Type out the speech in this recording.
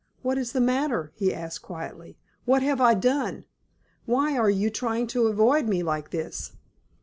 "What is the matter?" he asked, quietly. "What have I done? Why are you trying to avoid me, like this?"